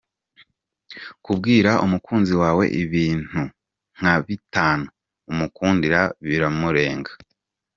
Kubwira umukunzi wawe ibintu nka bitanu “” umukundira biramurenga .